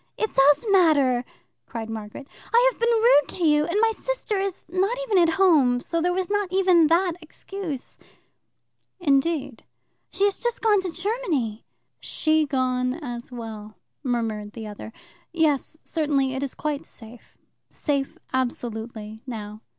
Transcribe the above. "It does matter," cried Margaret. "I have been rude to you; and my sister is not even at home, so there was not even that excuse. "Indeed?" "She has just gone to Germany." "She gone as well," murmured the other. "Yes, certainly, it is quite safe safe, absolutely, now."